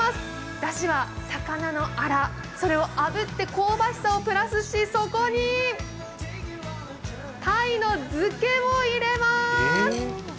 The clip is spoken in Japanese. だしは魚のあら、それをあぶって香ばしさをプラスしそこに鯛の漬けを入れます。